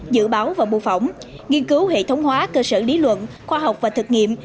dự báo và mô phỏng nghiên cứu hệ thống hóa cơ sở lý luận khoa học và thực nghiệm